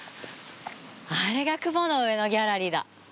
あれが「雲の上のギャラリー」だ。